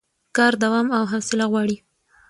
کار دوام او حوصله غواړي